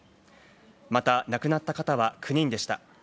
また、亡くなった方は９人でした。